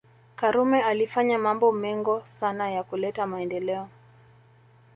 karume alifanya mambo mengo sana ya kuleta maendeleo